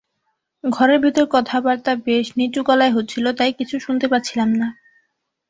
ঘরের ভেতর কথাবার্তা বেশ নিচু গলায় হচ্ছিল, তাই কিছু শুনতে পাচ্ছিলাম না।